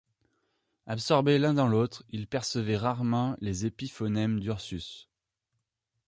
Absorbés l’un dans l’autre, ils percevaient rarement les épiphonèmes d’Ursus.